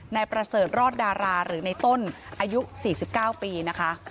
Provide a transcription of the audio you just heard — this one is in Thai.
นายประเสริฐรอดดาราหรือในต้นอายุ๔๙ปีนะคะ